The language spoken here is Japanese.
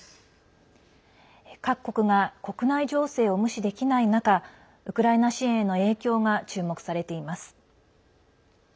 各国が国内情勢を無視できない中ウクライナ支援への影響が注目されています。